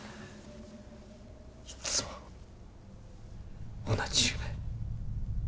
いつも同じ夢。